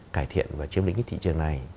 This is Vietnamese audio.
cải thiện và chiếm lĩnh thị trường này